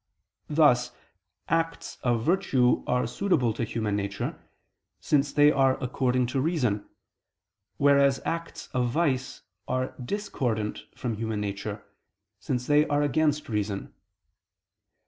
Thus, acts of virtue are suitable to human nature, since they are according to reason, whereas acts of vice are discordant from human nature, since they are against reason.